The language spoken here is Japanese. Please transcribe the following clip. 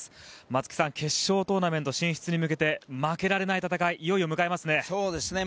松木さん、決勝トーナメント進出に向けて、負けられない戦いいよいよ迎えますね。